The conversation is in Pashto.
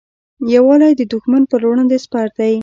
یووالی د دښمن پر وړاندې سپر دی.